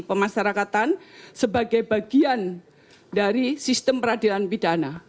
pemasarakatan sebagai bagian dari sistem peradilan pidana